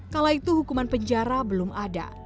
kala itu hukuman penjara belum ada